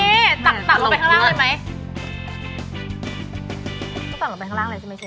ต้องตักลงไปข้างล่างเลยใช่ไหมเชฟ